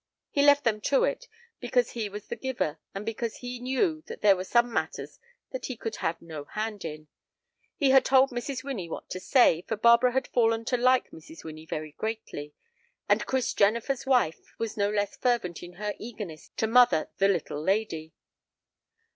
He left them to it because he was the giver, and because he knew that there were some matters that he could have no hand in. He had told Mrs. Winnie what to say, for Barbara had fallen to like Mrs. Winnie very greatly, and Chris Jennifer's wife was no less fervent in her eagerness to mother "the little lady."